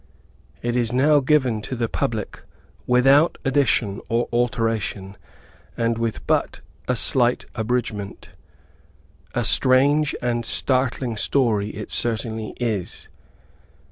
It is now given to the public without addition or alteration, and with but a slight abridgment. A strange and startling story it certainly is.